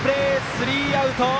スリーアウト。